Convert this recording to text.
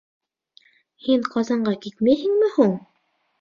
Һин Ҡазанға китмәйһеңме һуң?